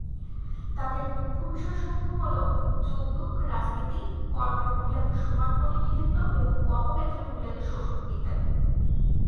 তাঁদের মুখ্য বিষয়সমূহ হল যৌতুক, রাজনীতি, কর্মে মহিলাদের সমান প্রতিনিধিত্ব এবং কর্মক্ষেত্রে মহিলাদের শোষণ ইত্যাদি।